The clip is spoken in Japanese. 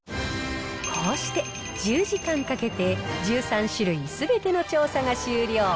こうして、１０時間かけて１３種類すべての調査が終了。